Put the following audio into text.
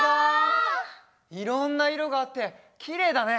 いろんないろがあってきれいだね！